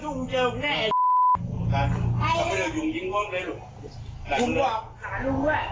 ลุงกว่าขาลุงด้วย